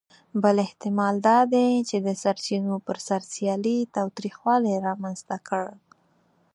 بل احتمال دا دی، چې د سرچینو پر سر سیالي تاوتریخوالي رامنځ ته کړه.